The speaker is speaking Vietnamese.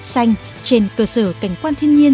xanh trên cơ sở cảnh quan thiên nhiên